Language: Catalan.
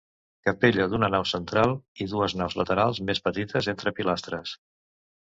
Capella d'una nau central i dues naus laterals més petites entre pilastres.